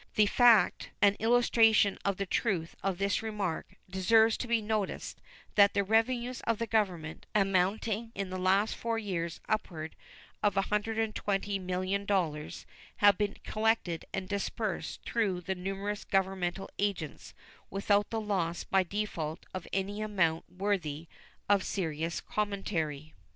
The fact, in illustration of the truth of this remark, deserves to be noticed that the revenues of the Government, amounting in the last four years to upward of $120,000,000, have been collected and disbursed through the numerous governmental agents without the loss by default of any amount worthy of serious commentary.